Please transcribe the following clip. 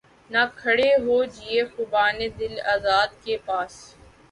نہ کھڑے ہوجیے خُوبانِ دل آزار کے پاس